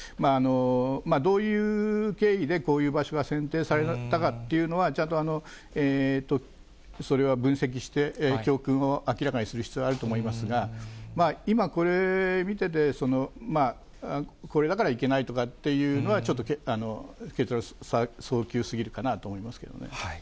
どういう経緯でこういう場所が選定されたかというのは、ちゃんとそれは分析して、教訓を明らかにする必要があると思いますが、今、これ見てて、これだからいけないとかっていうのは、ちょっと結論は早急すぎるかなと思いますけどね。